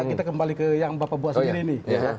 kita kembali ke yang bapak buat sendiri ini